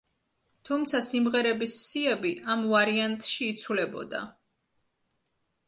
თუმცა, სიმღერების სიები ამ ვარიანტში იცვლებოდა.